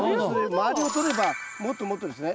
周りをとればもっともっとですね。